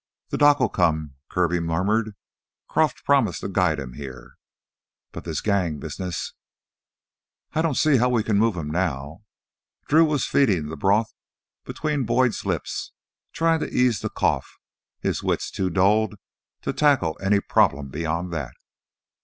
"Th' doc'll come," Kirby murmured. "Croff promised to guide him heah. But this gang business " "I don't see how we can move him now...." Drew was feeding the broth between Boyd's lips, trying to ease the cough, his wits too dulled to tackle any problem beyond that.